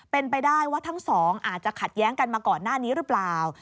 เป็นไปได้ว่าทั้งสองอาจจะขัดแย้งกันมาก่อนหน้านี้หรือเปล่า